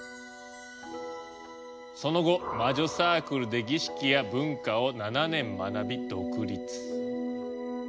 その後魔女サークルで儀式や文化を７年学び独立。